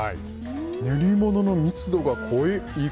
練り物の密度が濃い。